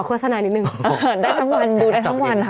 ขอขอสนายนิดนึง